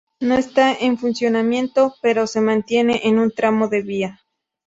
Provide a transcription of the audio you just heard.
No está en funcionamiento pero se mantiene en un tramo de vía.